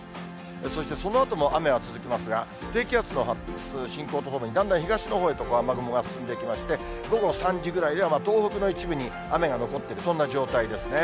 そしてそのあとも雨は続きますが、低気圧の発達、進行とともにだんだん東のほうへと雨雲が進んでいきまして、午後３時くらいでは東北の一部に雨が残っている、そんな状態ですね。